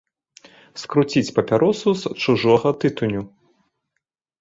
Скруціць папяросу з чужога тытуню.